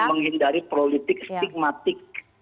kita menghindari politik stigmatik